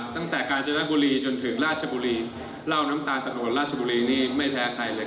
กาญจนบุรีจนถึงราชบุรีเล่าน้ำตาลตะโนดราชบุรีนี่ไม่แพ้ใครเลย